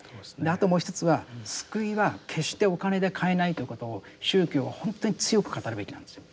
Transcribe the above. あともう一つは救いは決してお金で買えないということを宗教は本当に強く語るべきなんですよ。